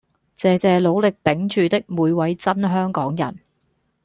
謝謝努力頂住的每位真香港人